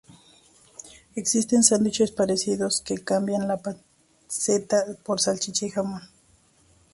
Existen sándwiches parecidos que cambian la panceta por salchicha o jamón.